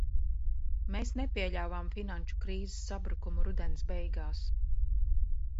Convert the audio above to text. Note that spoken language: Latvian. Mēs nepieļāvām finanšu krīzes sabrukumu rudens beigās.